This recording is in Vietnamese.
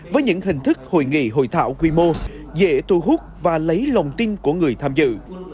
với những hình thức hội nghị hội thảo quy mô dễ thu hút và lấy lòng tin của người tham dự